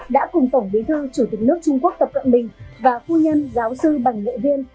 đã cùng tổng bí thư chủ tịch nước trung quốc tập cận bình và phu nhân giáo sư bằng nghệ viên